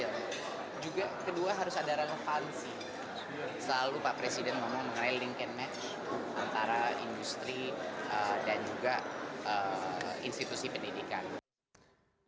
selalu pak presiden ngomong mengenai link and match antara industri dan juga institusi pendidikan